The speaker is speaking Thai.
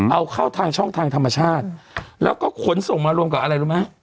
เอาเข้าทางช่องทางธรรมชาติแล้วก็ขนส่งมารวมกับอะไรรู้ไหม